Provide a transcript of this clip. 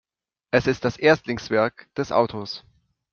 Es ist das Erstlingswerk des Autors.